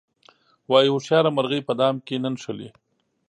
وایي هوښیاره مرغۍ په دام کې نه نښلي.